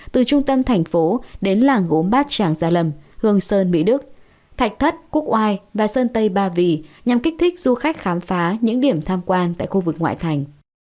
từ trung tâm thành phố đến làng gốm bát tràng gia lâm hương sơn mỹ đức thạch thất quốc oai và sơn tây ba vì nhằm kích thích du khách khám phá những điểm tham quan tại khu vực ngoại thành